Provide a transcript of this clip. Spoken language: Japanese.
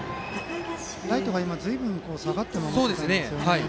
ライトが今、ずいぶん下がって守っていたんですよね。